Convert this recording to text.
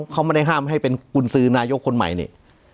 เขาไม่ได้ห้ามให้เป็นกุญสือนายกคนใหม่นี่